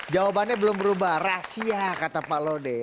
jawabannya belum berubah rahasia kata pak lode